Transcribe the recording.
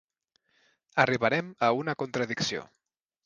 Arribarem a una contradicció.